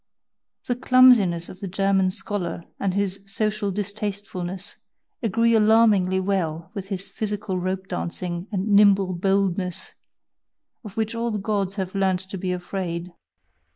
The clumsiness of the German scholar and his social distastefulness agree alarmingly well with his physical rope dancing and nimble boldness, of which all the Gods have learnt to be afraid.